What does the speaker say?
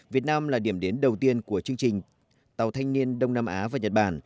việt nam là điểm đến đầu tiên của chương trình tàu thanh niên đông nam á và nhật bản